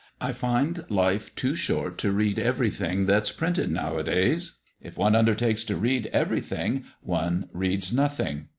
I find life too short to read everything that's printed nowadays. If one undertakes to read everything, one reads nothing.